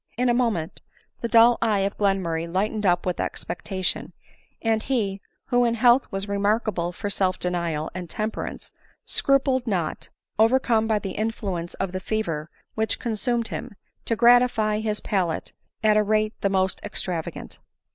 In a moment the dull eye of Glenmurray lighted up with expectation ; and he, who in health was remarkable for self denial and temperance, scrupled not, overcome by the influence of the fever which consumed him, to gratify his palate at a rate the most extravagant.